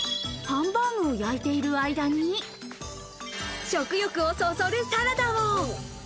ハンバーグを焼いている間に食欲をそそるサラダを。